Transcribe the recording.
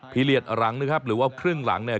เลียดหลังนะครับหรือว่าครึ่งหลังเนี่ย